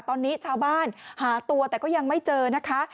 ตอนนี้ชาวบ้านหาตัวแต่ก็ยังไม่เจอนะคะ